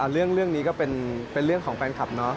เรื่องนี้ก็เป็นเรื่องของแฟนคลับเนาะ